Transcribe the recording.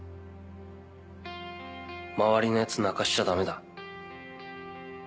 周りのやつ泣かしちゃ駄目だ。